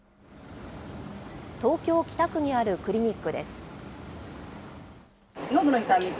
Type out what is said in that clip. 東京・北区にあるクリニックです。